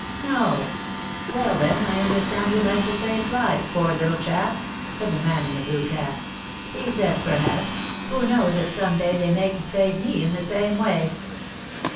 "No! Well, then, I understand he liked to save the flies, poor little chap!" said the man in a blue cap. "He said, perhaps, 'Who knows if some day they mayn't save me in the same way?'"